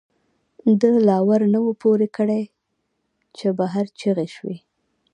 دَ لا ور نه وو پورې کړ، چې بهر چغې شوې